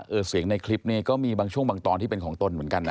เสียงในคลิปนี้ก็มีบางช่วงบางตอนที่เป็นของตนเหมือนกันนะ